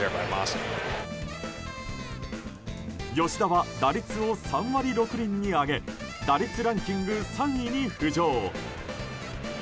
吉田は打率を３割６厘に上げ打率ランキング３位に浮上。